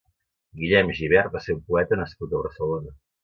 Guillem Gibert va ser un poeta nascut a Barcelona.